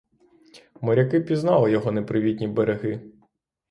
Моряки пізнали його непривітні береги.